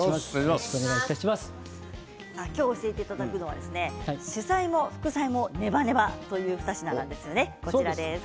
今日、教えていただくのは主菜も副菜もネバネバという２品なんですよね。